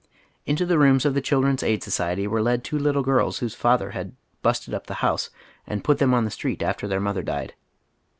Into the rooms of the Children's Aid Society were led two little girls whose father had "busted up the house" and put them on the street after their mother died.